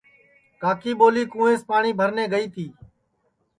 کاکی ٻولی کُوینٚس پاٹؔی بھر نے گئی تی